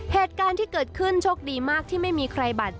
เหตุการณ์ที่เกิดขึ้นโชคดีมากที่ไม่มีใครบาดเจ็บ